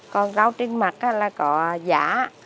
còn rau trên mặt là có giả